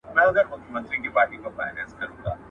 خپل قبر هر چا ته تنگ معلومېږي.